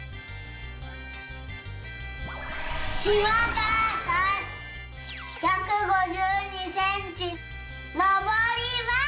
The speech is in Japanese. しまかあさん１５２センチのぼります！